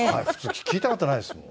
聞いた事ないですもん。